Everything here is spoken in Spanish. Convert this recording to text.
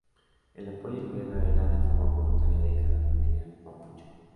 El apoyo en guerra era de forma voluntaria de cada familia mapuche.